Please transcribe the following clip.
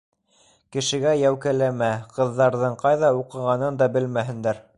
- Кешегә йәүкәләмә, ҡыҙҙарҙың ҡайҙа уҡығанын да белмәһендәр.